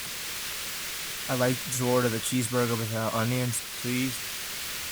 I'd like to order the cheeseburger without onions, please.